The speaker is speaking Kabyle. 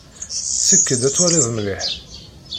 Sekked ad twaliḍ mliḥ!